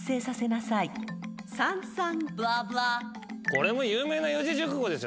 これも有名な四字熟語ですよね。